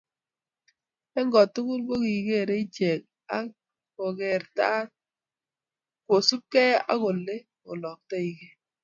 eng kotugul kokigeerei ichek ak kekartat kosubkei ak ole oloktogei